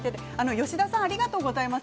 吉田さん、ありがとうございます。